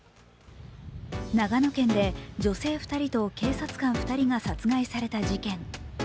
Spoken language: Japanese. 長野県で女性２人と警察官２人が殺害された事件。